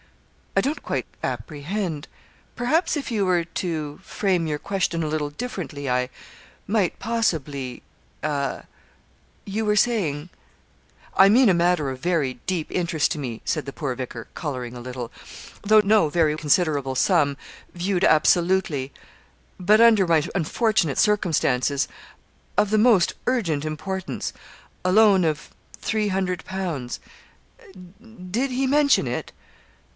'I don't quite apprehend; perhaps if you were to frame your question a little differently, I might possibly a you were saying' 'I mean a matter of very deep interest to me,' said the poor vicar, colouring a little, 'though no very considerable sum, viewed absolutely; but, under my unfortunate circumstances, of the most urgent importance a loan of three hundred pounds did he mention it?'